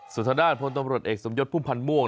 สุดท้านพตเอกสมยศภูมิพันธ์ม่วง